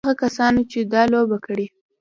هماغه کسانو چې دا لوبه کړې.